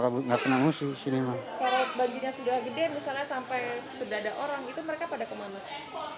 karena banjirnya sudah gede misalnya sampai sedadak orang itu mereka pada kemana